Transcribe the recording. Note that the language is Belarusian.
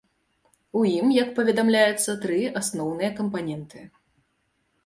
У ім, як паведамляецца, тры асноўныя кампаненты.